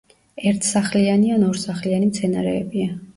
ერთსახლიანი ან ორსახლიანი მცენარეებია.